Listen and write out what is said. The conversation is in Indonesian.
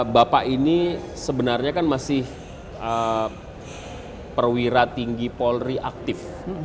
bapak ini sebenarnya kan masih perwira tinggi polri aktif